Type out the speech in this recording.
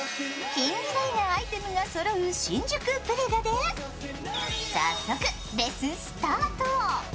近未来なアイテムがそろう新宿ＰＲＥＧＡで早速レッスンスタート。